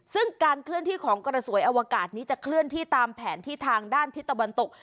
ซึ่งการเคลื่อนที่ของกระสวยอวกาศนี้จะเคลื่อนที่ตามแผนที่ทางด้านทิศตะวันตก